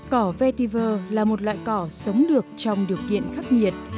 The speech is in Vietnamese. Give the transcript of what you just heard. cỏ vetiver là một loại cỏ sống được trong điều kiện khắc nhiệt